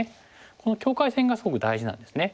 この境界線がすごく大事なんですね。